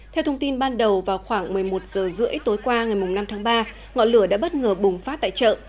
theo thông tin ban đầu vào khoảng một mươi một h ba mươi tối qua ngày năm tháng ba ngọn lửa đã bất ngờ bùng phát tại chợ